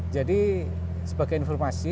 jadi sebagai informasi